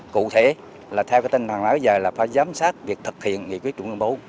cụ thể là theo cái tên thằng nói bây giờ là phải giám sát việc thực hiện nghị quyết chủ nguyên bố